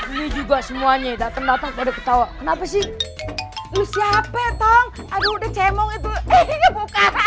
ini juga semuanya datang datang pada ketawa kenapa sih siapa tong ada udah cemung itu